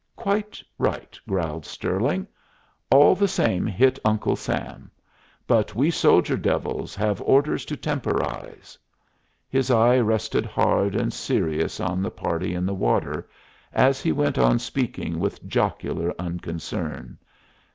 Quite right," growled Stirling. "All the same hit Uncle Sam. But we soldier devils have orders to temporize." His eye rested hard and serious on the party in the water as he went on speaking with jocular unconcern.